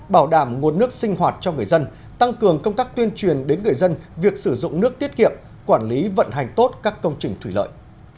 bảo đảm nguồn nước sinh hoạt cho người dân tăng cường công tác tuyên truyền đến người dân việc sử dụng nước tiết kiệm quản lý vận hành tốt các công trình thủy lợi